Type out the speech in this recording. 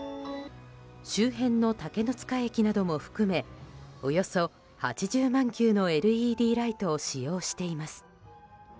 周辺の竹ノ塚駅なども含めおよそ８０万球のＬＥＤライトを使用しています。